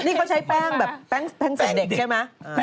นี่เขาใช้แป้งแสด็กใช่ไหม